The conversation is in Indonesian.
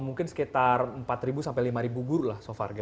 mungkin sekitar empat sampai lima guru lah so far